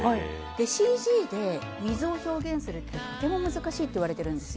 ＣＧで水を表現するってとても難しいと言われているんです。